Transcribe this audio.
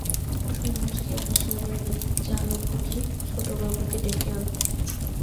কুসুম মুচকিয়া হাসিয়া বলিল, যা লো খুকী, ছোটবাবুকে ডেকে আল।